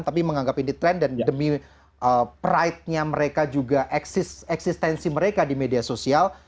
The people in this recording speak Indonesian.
tapi menganggap ini tren dan demi pride nya mereka juga eksistensi mereka di media sosial